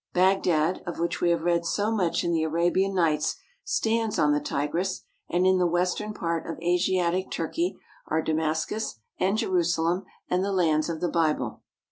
Bagdad, of which we have read so much in the "Arabian Nights," stands on the Tigris, and in the western ASIATIC TURKEY 349 part of Asiatic Turkey are Damascus and Jerusalem and the lands of the Bible.